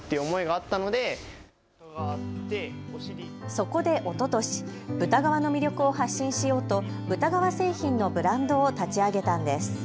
そこでおととし、豚革の魅力を発信しようと豚革製品のブランドを立ち上げたんです。